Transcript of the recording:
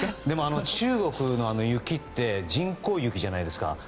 でも中国の雪って人工雪じゃないですか。